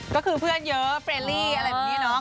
ก็คือเพื่อนเยอะเฟรลี่อะไรแบบนี้เนาะ